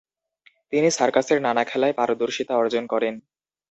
তিনি সার্কাসের নানা খেলায় পারদর্শিতা অর্জন করেন।